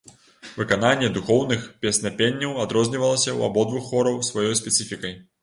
Выкананне духоўных песнапенняў адрознівалася ў абодвух хораў сваёй спецыфікай.